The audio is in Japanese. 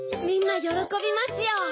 みんなよろこびますよ！